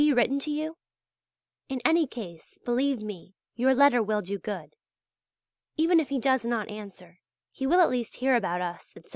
written to you? In any case, believe me, your letter will do good. Even if he does not answer, he will at least hear about us, etc.